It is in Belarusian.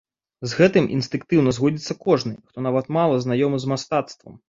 З гэтым інстынктыўна згодзіцца кожны, хто нават мала знаёмы з мастацтвам.